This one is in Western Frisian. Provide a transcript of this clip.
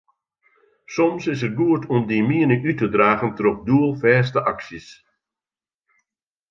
Soms is it goed om dyn miening út te dragen troch doelfêste aksjes.